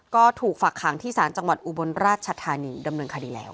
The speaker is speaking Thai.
ก็ถูกฝากขังที่ศาลจังหวัดอุบลราชธานีดำเนินคดีแล้ว